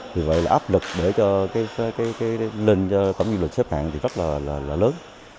thì vậy là áp lực để cho cái lên tổng du lịch xếp hạng thì rất là lớn